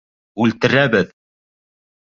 Үлтерәбеҙ!